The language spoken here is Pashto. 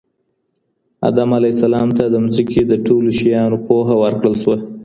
آدم ع ته د ځمکي د ټولو شيانو پوهه ورکړل سوه.